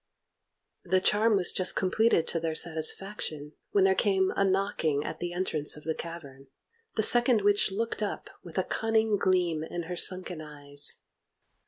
The charm was just completed to their satisfaction, when there came a knocking at the entrance of the cavern. The second witch looked up with a cunning gleam in her sunken eyes.